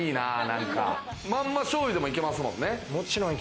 まんま、しょうゆでもいけますもんね。